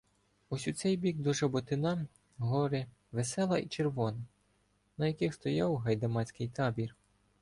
Ось у цей бік доЖаботина — гори Весела і Червона, на яких стояв гайдамацький табір.